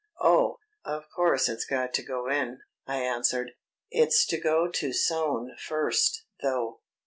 "Oh, of course it's got to go in," I answered. "It's to go to Soane first, though."